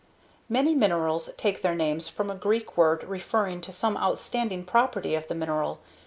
Many minerals take their names from a Greek word referring to some outstanding property of the mineral.